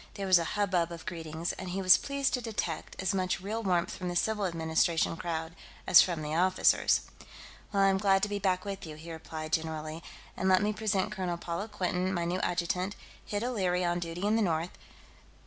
There was a hubbub of greetings, and he was pleased to detect as much real warmth from the civil administration crowd as from the officers. "Well, I'm glad to be back with you," he replied, generally. "And let me present Colonel Paula Quinton, my new adjutant; Hid O'Leary's on duty in the north....